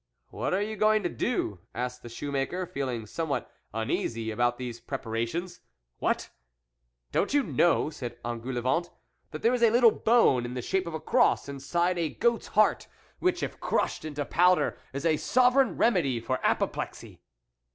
" What are you going to do ?" asked the shoe maker, feeling somewhat uneasy about these preparations. ," What ! don't you know," said En goulevent, " that there is a little bone in the shape of a cross inside a goat's heart, which, if crushed into powder, is a sovereign remedy for apoplexy